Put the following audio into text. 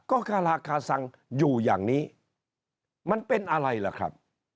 ก็คาราคาซังอยู่อย่างนี้มันเป็นอะไรล่ะครับ